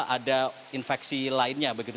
ada infeksi lainnya begitu